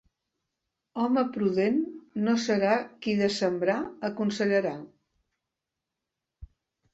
Home prudent no serà qui de sembrar aconsellarà.